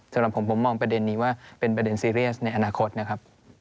สำหรับผมผมมองประเด็นนี้ว่าเป็นประเด็นซีเรียสในอนาคตนะครับ